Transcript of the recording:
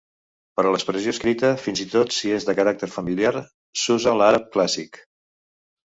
Per a l'expressió escrita, fins i tot si és de caràcter familiar, s'usa l'àrab clàssic.